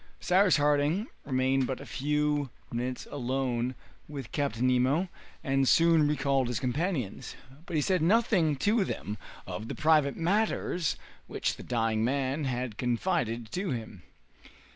Cyrus Harding remained but a few minutes alone with Captain Nemo, and soon recalled his companions; but he said nothing to them of the private matters which the dying man had confided to him.